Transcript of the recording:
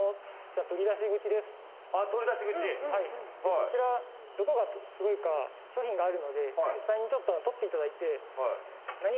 こちらどこがすごいか商品があるので実際にちょっと取って頂いて。